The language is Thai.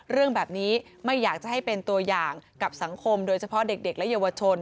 เรื่องแบบนี้ไม่อยากจะให้เป็นตัวอย่างกับสังคมโดยเฉพาะเด็กและเยาวชน